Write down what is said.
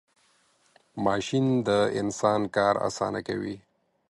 ماشین د انسان کار آسانه کوي .